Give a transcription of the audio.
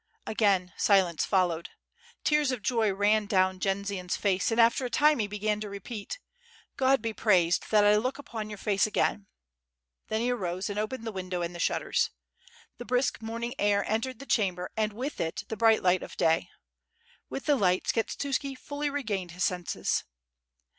Again silence followed. Tears of joy ran down Jendzian's face, and after a time he began to repeat: "God be praised that I look upon your face again." ... Then he arose and opened the window and the shutters. The brisk morning air entered the chamber and with it the bright light of day. With the light Skshetuski fully regained his senses.